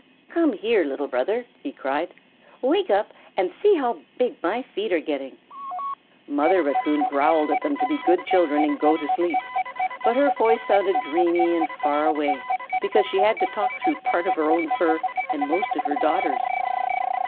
"Come here, Little Brother," he cried. "Wake up, and see how big my feet are getting." Mother Raccoon growled at them to be good children and go to sleep, but her voice sounded dreamy and far away because she had to talk through part of her own fur and most of her daughters'.